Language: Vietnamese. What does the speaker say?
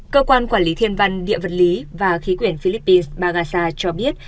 cơ quan quản lý thiên văn địa vật lý và khí quyển philippines bagasa cho biết